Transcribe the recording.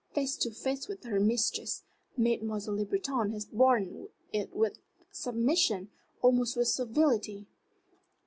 Face to face with her mistress, Mademoiselle Le Breton had borne it with submission, almost with servility.